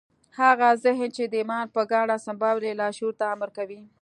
هغه ذهن چې د ايمان په ګاڼه سمبال وي لاشعور ته امر کوي.